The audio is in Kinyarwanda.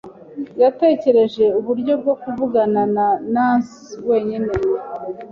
Yatekereje uburyo bwo kuvugana na Nancy wenyine.